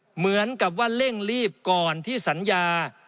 เหมือนกับว่าเร่งรีบก่อนที่สัญญา